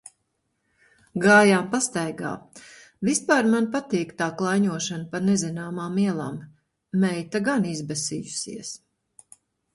Gājām pastaigā. Vispār man patīk tā klaiņošana pa nezināmām ielām. Meita gan izbesījusies.